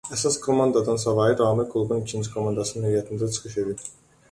Əsas komandadan savayı Ramil klubun ikinci komandasının heyətində də çıxış edib.